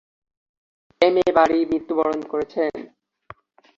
M A Bari মৃত্যুবরণ করেছেন।